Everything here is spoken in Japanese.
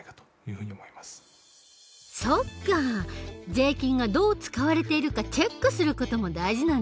税金がどう使われているかチェックする事も大事なんだね。